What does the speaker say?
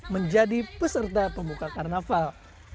menjadi peserta pembuka karnaval